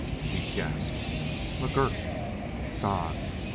He gasped: "McGurk God!"